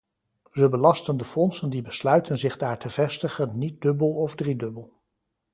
Ze belasten de fondsen die besluiten zich daar te vestigen niet dubbel of driedubbel.